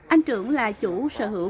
anh trưởng là chủ sở hữu